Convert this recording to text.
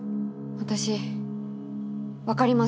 私分かりません。